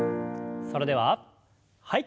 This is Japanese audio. それでははい。